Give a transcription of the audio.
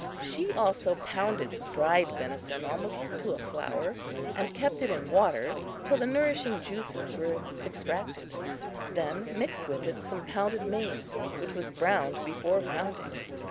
She also pounded dried venison almost to a flour, and kept it in water till the nourishing juices were extracted, then mixed with it some pounded maize, which was browned before pounding.